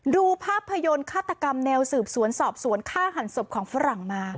ดูภาพยนตร์ฆาตกรรมแนวสืบสวนสอบสวนฆ่าหันศพของฝรั่งมา